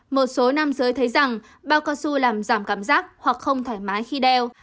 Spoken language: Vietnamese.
một số nam giới thấy rằng bao cao su làm giảm cảm giác hoặc không thoải mái khi đeo